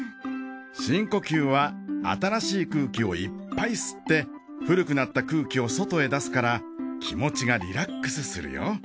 深呼吸は新しい空気をいっぱい吸って古くなった空気を外へ出すから気持ちがリラックスするよ。